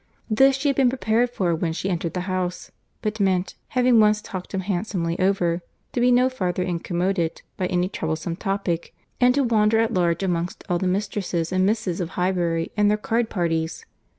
This she had been prepared for when she entered the house; but meant, having once talked him handsomely over, to be no farther incommoded by any troublesome topic, and to wander at large amongst all the Mistresses and Misses of Highbury, and their card parties.